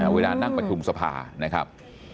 เวลานั่งประชุมสภานะครับ